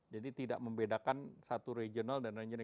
jadi tidak membedakan satu regional dan lain lain